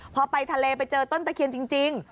พอไปทะเลไปเจอต้นตะเคียนจริง